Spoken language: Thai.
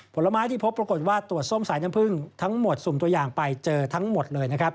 ผลไม้ที่พบปรากฏว่าตรวจส้มสายน้ำผึ้งทั้งหมดสุ่มตัวอย่างไปเจอทั้งหมดเลยนะครับ